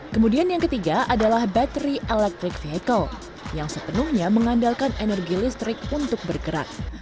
kemudian yang ketiga adalah bateri electric vehicle yang sepenuhnya mengandalkan energi listrik untuk bergerak